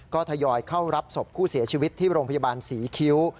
ก็ทยอยเข้ารับศพผู้เสียชีวิตที่โรงพยาบาลศรีคิ้ว